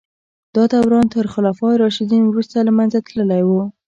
دا دوران تر خلفای راشدین وروسته له منځه تللی و.